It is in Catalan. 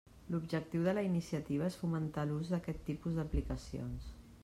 L'objectiu de la iniciativa és fomentar l'ús d'aquest tipus d'aplicacions.